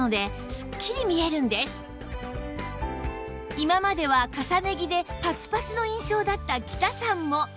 今までは重ね着でパツパツの印象だった喜多さんも